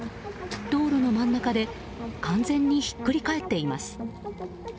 道路の真ん中で完全にひっくり返っています。